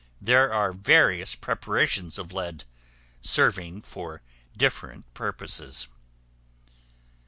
There are various preparations of lead, serving for different purposes.